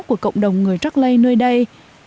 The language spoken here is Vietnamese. của cộng đồng người rắc lây nơi đây